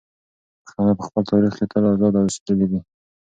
پښتانه په خپل تاریخ کې تل ازاد اوسېدلي دي.